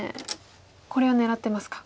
これは狙ってますか。